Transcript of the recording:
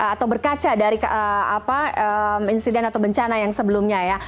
atau berkaca dari insiden atau bencana yang sebelumnya ya